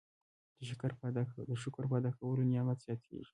د شکر په ادا کولو نعمت زیاتیږي.